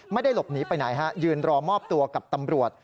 ไม่ได้หลบหนีไปไหนฮะยืนรอมอบตัวกับตำรวจ